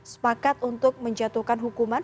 sepakat untuk menjatuhkan hukuman